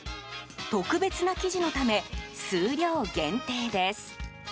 特別な生地のため数量限定です。